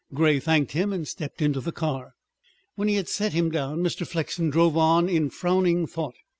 Grey thanked him and stepped into the car. When he had set him down, Mr. Flexen drove on in frowning thought.